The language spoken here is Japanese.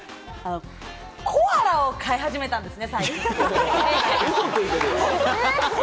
コアラを飼い始めたんですね。